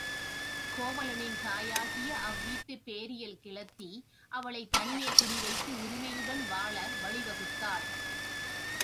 கோவலனின் தாய் ஆகிய அவ்வீட்டுப் பேரியல் கிழத்தி அவளைத் தனியே குடி வைத்து உரிமையுடன் வாழ வழி வகுத்தாள்.